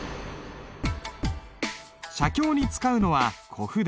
写経に使うのは小筆。